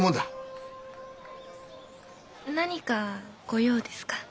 何かご用ですか？